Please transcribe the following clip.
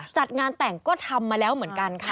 จัดงานแต่งก็ทำมาแล้วเหมือนกันค่ะ